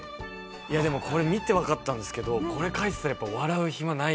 いやでもこれ見てわかったんですけどこれ書いてたらやっぱ笑う暇ないですね。